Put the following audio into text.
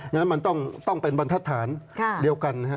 อย่างนั้นมันต้องเป็นบรรทัดฐานเดียวกันนะ